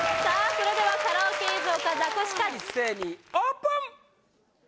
それではカラオケ映像かザコシか一斉にオープン！